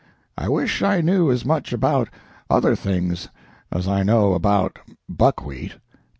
I wish I knew as much about other things as I know about buckwheat."